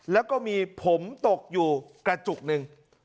แล้วก็มีผมตกอยู่กระจุกหนึ่ง